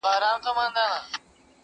رسنۍ راپورونه جوړوي او خلک پرې خبري کوي